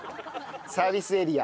サービスエリア。